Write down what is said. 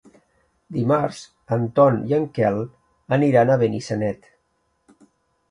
Dimarts en Ton i en Quel aniran a Benissanet.